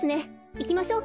いきましょう。